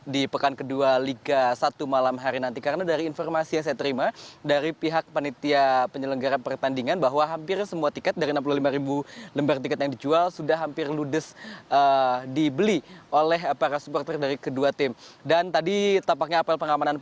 dika selamat siang